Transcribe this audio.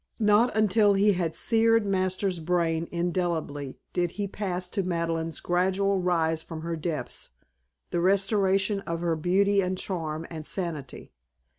Not until he had seared Masters' brain indelibly did he pass to Madeleine's gradual rise from her depths, the restoration of her beauty and charm and sanity.